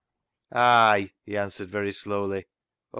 " Ay !" he answered very slowly.